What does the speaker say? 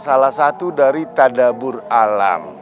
salah satu dari tadabur alam